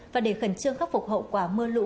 và để khẩn trương khắc phục hậu quả mưa lũ